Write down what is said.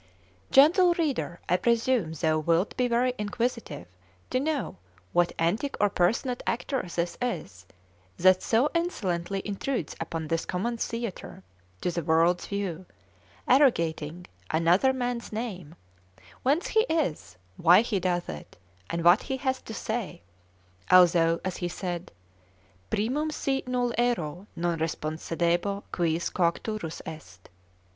Gentle reader, I presume thou wilt be very inquisitive to know what antic or personate actor this is, that so insolently intrudes upon this common theatre, to the world's view, arrogating another man's name; whence he is, why he doth it, and what he hath to say; although, as he said, Primum si noluero, non respondebo, quis coacturus est?